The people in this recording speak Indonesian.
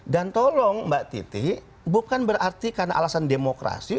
dan tolong mbak titi bukan berarti karena alasan demokrasi